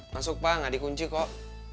masuk pak nggak dikunci kok